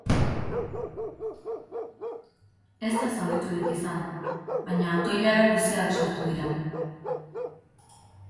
Ez da zauriturik izan baina auto-ilara luzeak sortu dira.